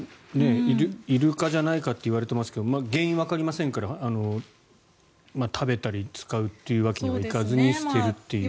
イルカじゃないかって言われてますけど原因がわかりませんから食べたり使うっていうわけにはいかずに捨てるっていう。